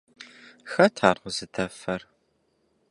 Хэт ар къызыдэфэр?